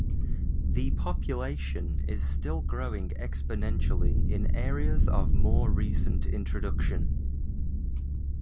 The population is still growing exponentially in areas of more recent introduction.